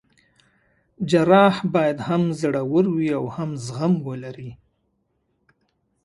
جراح باید هم زړه ور وي او هم زغم ولري.